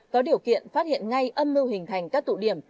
có điều kiện phát hiện ngay âm mưu hình thành các tụ điểm